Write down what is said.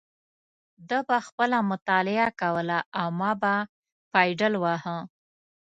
ده به خپله مطالعه کوله او ما به پایډل واهه.